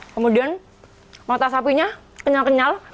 kemudian mata sapinya kenyal kenyal